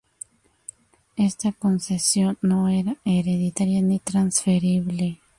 Esta concesión no era hereditaria ni transferible.